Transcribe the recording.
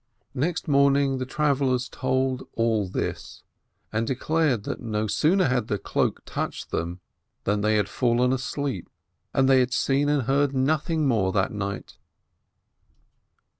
Next morning the travellers told all this, and declared that no sooner had the cloak touched them than they had fallen asleep, and they had seen and heard nothing more that night.